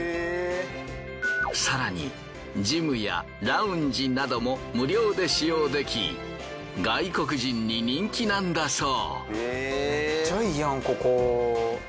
更にジムやラウンジなども無料で使用でき外国人に人気なんだそう。